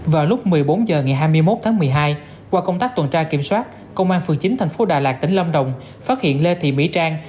vào lúc một mươi bốn h ngày hai mươi một tháng một mươi hai qua công tác tuần tra kiểm soát công an phường chín thành phố đà lạt tỉnh lâm đồng phát hiện lê thị mỹ trang